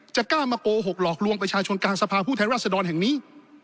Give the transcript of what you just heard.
กล้ามาโกหกหลอกลวงประชาชนกลางสภาพผู้แทนรัศดรแห่งนี้